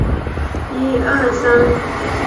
编制单位中国科学院大学